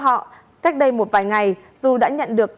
ở đây một vài ngày dù đã nhận được